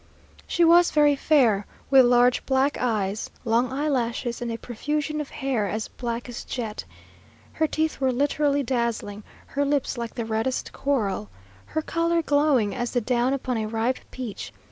She was very fair, with large black eyes, long eyelashes, and a profusion of hair as black as jet. Her teeth were literally dazzling her lips like the reddest coral her colour glowing as the down upon a ripe peach.